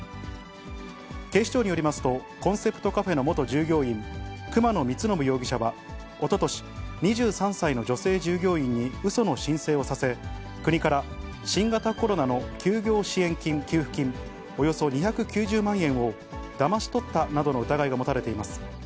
警視庁によりますと、コンセプトカフェの元従業員、熊野光伸容疑者はおととし、２３歳の女性従業員にうその申請をさせ、国から新型コロナの休業支援金・給付金およそ２９０万円をだまし取ったなどの疑いが持たれています。